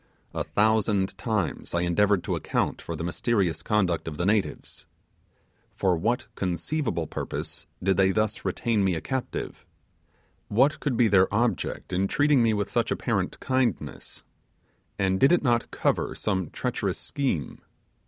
A thousand times I endeavoured to account for the mysterious conduct of the natives. For what conceivable purpose did they thus retain me a captive? What could be their object in treating me with such apparent kindness, and did it not cover some treacherous scheme?